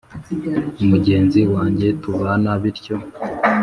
mugenzi wajye tubana bityo